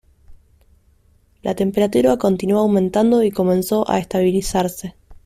La temperatura continuó aumentando y comenzó a estabilizarse.